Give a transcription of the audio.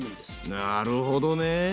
なるほどね。